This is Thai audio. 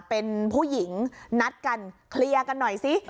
เป็นผู้หญิงนัดกันเคลียร์กันหน่อยสิ